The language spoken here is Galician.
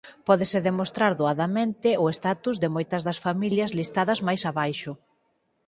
Pódese demostrar doadamente o status de moitas das familias listadas máis abaixo.